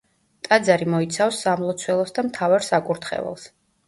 ტაძარი მოიცავს სამლოცველოს და მთავარ საკურთხეველს.